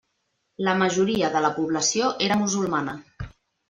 La majoria de la població era musulmana.